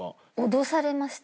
脅されました。